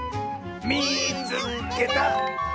「みいつけた！」。